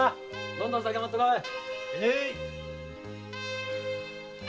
どんどん酒持ってこい。